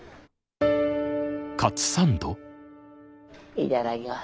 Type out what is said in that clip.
いただきます。